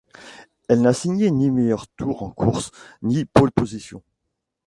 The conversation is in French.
Elle n'a signé ni meilleur tour en course, ni pole position.